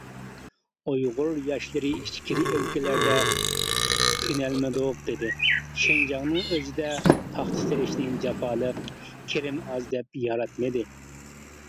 ئۇيغۇر ياشلىرى ئىچكىرى ئۆلكىلەردە كۆنەلمىدۇق دېدى، شىنجاڭنىڭ ئۆزىدە پاختا تېرىشنى جاپالىق، كىرىمى ئاز دەپ ياراتمىدى.